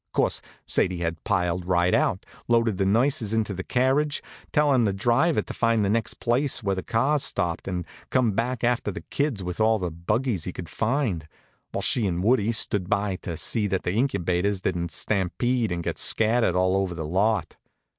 Course, Sadie had piled right out, loaded the nurses into the carriage, tellin' the driver to find the next place where the cars stopped and come back after the kids with all the buggies he could find, while she and Woodie stood by to see that the Incubators didn't stampede and get scattered all over the lot.